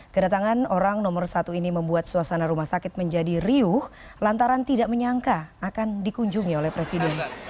kedatangan orang nomor satu ini membuat suasana rumah sakit menjadi riuh lantaran tidak menyangka akan dikunjungi oleh presiden